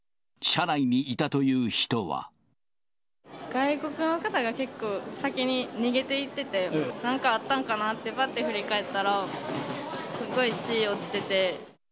外国の方が結構、先に逃げていってて、なんかあったんかなって、ばって振り返ったら、すごい血落ちてて。